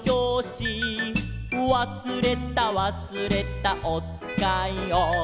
「わすれたわすれたおつかいを」